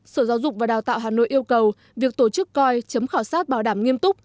sở giáo dục và đào tạo hà nội yêu cầu việc tổ chức coi chấm khảo sát bảo đảm nghiêm túc